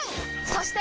そして！